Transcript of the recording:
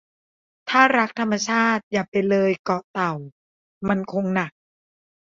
ถ้ารักธรรมชาติ อย่าไปเลยเกาะเต่า มันคงหนัก